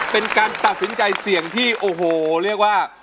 เป็นการตัดสินใจเสี่ยงที่โอ้โหเรียกว่า